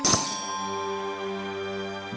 goblin bisa menolak apapun